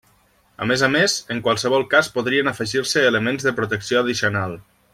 A més a més, en qualsevol cas podrien afegir-se elements de protecció addicional.